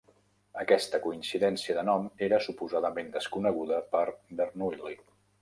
Aquesta coincidència de nom era suposadament desconeguda per Bernoulli.